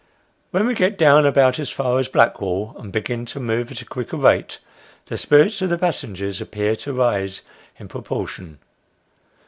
When we get down about as far as Blackwall, and begin to move at a quicker rate, the spirits of the passengers appear to rise in pro portion.